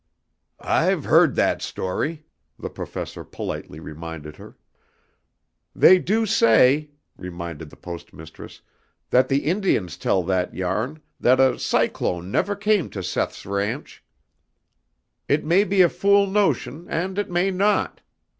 "I've heard that story," the Professor politely reminded her. "They do say," remembered the Post Mistress, "that the Indians tell that yarn, that a cyclone never came to Seth's ranch. It may be a fool notion and it may not....